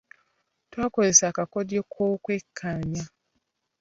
Twakozesa akakodyo k’okwekkaanya.